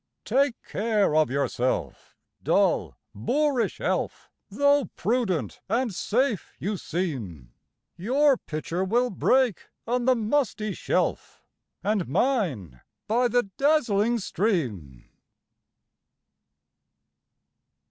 Take care of yourself, dull, boorish elf, Though prudent and safe you seem, Your pitcher will break on the musty shelf, And mine by the dazzling stream.